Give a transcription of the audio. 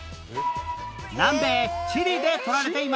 南米チリで採られています